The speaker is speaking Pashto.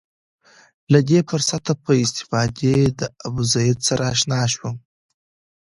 له دې فرصته په استفادې له ابوزید سره اشنا شم.